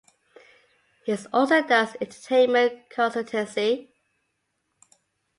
He is also does entertainment consultancy.